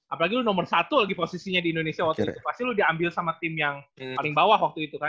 apalagi lu nomor satu lagi posisinya di indonesia waktu itu pasti lo diambil sama tim yang paling bawah waktu itu kan